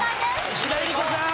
石田ゆり子さん！